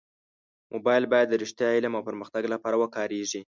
موبایل باید د رښتیا، علم او پرمختګ لپاره وکارېږي.